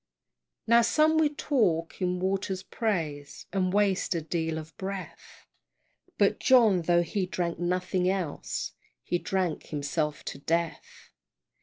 Now some will talk in water's praise, And waste a deal of breath, But John, tho' he drank nothing else, He drank himself to death!